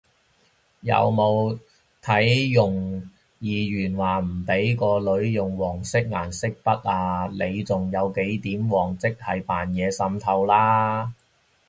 有冇睇容議員話唔畀個女用黃色顏色筆啊？你仲有幾點黃即係扮嘢滲透啦！？